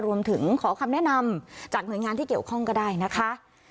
รวมถึงขอคำแนะนำจากหน่วยงานที่เกี่ยวข้องก็ได้นะคะ